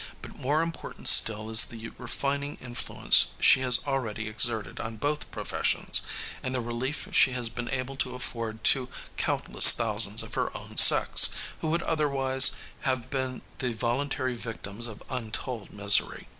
But more important still is the refining influence she has already exerted on both professions, and the relief she has been able to afford to countless thousands of her own sex who would otherwise have been the voluntary victims of untold misery.